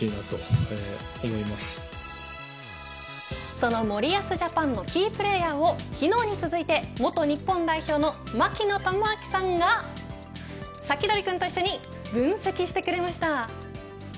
その森保ジャパンのキープレーヤーを昨日に続いて元日本代表の槙野智章さんがサキドリくんと一緒に分析してくれました。